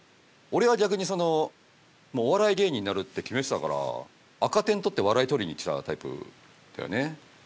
俺は逆にそのもうお笑い芸人になるって決めてたから赤点取って笑いとりにいってたタイプだよね。